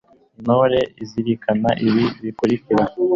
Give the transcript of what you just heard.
intore izirikana ibi bikurikira